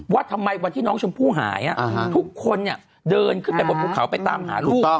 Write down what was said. ว่าทำไมวันที่น้องชมพู่หายทุกคนเนี่ยเดินขึ้นไปบนภูเขาไปตามหาลูก